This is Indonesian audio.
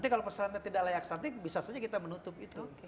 karena perseratan tidak layak santri bisa saja kita menutup itu